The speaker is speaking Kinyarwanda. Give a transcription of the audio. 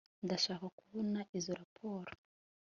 ndashaka kubona izo raporo